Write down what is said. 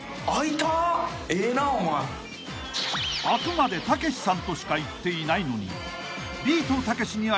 ［あくまで「たけしさん」としか言っていないのに］